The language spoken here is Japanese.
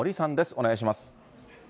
お願いします。